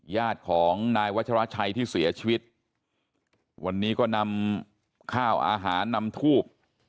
ญาติของนายวัชราชัยที่เสียชีวิตวันนี้ก็นำข้าวอาหารนำทูบ